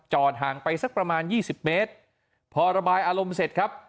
ห่างไปสักประมาณยี่สิบเมตรพอระบายอารมณ์เสร็จครับ